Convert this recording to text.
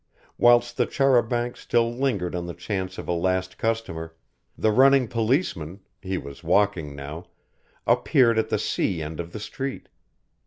Whilst the char a banc still lingered on the chance of a last customer, the running policeman he was walking now, appeared at the sea end of the street.